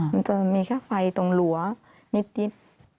มันจะมีแค่ไฟตรงหลัวนิด